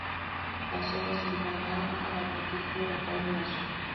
Las obras se encargaron al arquitecto Rafael Masó.